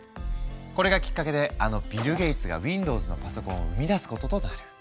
これがきっかけであのビル・ゲイツがウィンドウズのパソコンを生み出すこととなる。